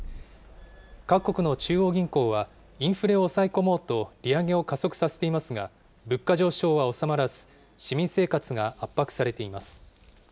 各国の中央銀行は、インフレを抑え込もうと利上げを加速させていますが、物価上昇は収まらず、市民生活が圧迫されています。